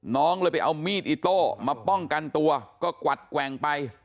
น้องเลยไปเอามีดอิโต้มาป้องกันตัวก็กวัดแกว่งไป